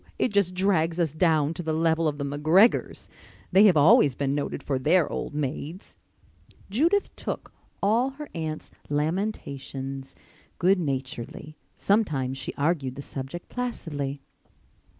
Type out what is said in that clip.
It just drags us down to the level of the McGregors. They have always been noted for their old maids." Judith took all her aunt's lamentations good naturedly. Sometimes she argued the subject placidly.